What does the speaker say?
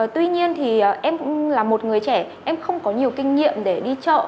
tuy nhiên thì em cũng là một người trẻ em không có nhiều kinh nghiệm để đi chợ